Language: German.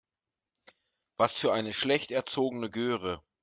Was für eine schlecht erzogene Göre.